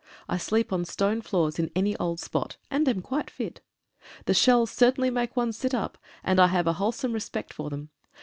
I sleep on stone floors in any old spot, and am quite fit. The shells cer tainly make one sit up, and I have a wholesome respect for them.